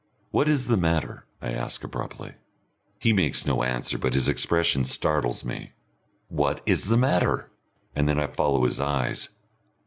"What is the matter?" I ask abruptly. He makes no answer, but his expression startles me. "What is the matter?" and then I follow his eyes.